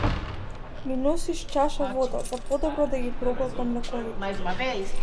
Ми носиш чаша вода за подобро да ги проголтам лековите.